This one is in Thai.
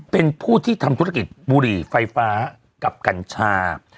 เป็นผู้ที่ทำธุรกิจบุหรี่ไฟฟ้ากับกัญชา